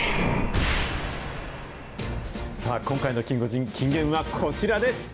今回のキンゴジン、金言はこちらです。